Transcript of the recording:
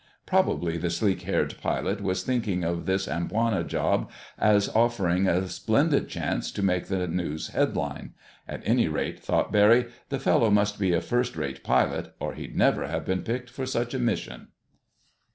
Probably the sleek haired pilot was thinking of this Amboina job as offering a splendid chance to make the news headlines. At any rate, thought Barry, the fellow must be a first rate pilot, or he'd never have been picked for such a mission.